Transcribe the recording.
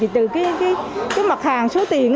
từ cái mặt hàng số tiền